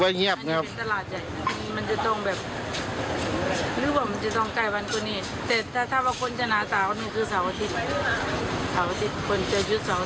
เสาร์อาทิตย์คนเจอยุทธ์เสาร์อาทิตย์